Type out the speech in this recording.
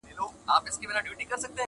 ما لس كاله سلطنت په تا ليدلى،